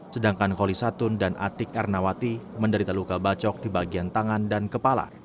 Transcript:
sedangkan kolisatun dan atik ernawati menderita luka bacok di bagian tangan dan kepala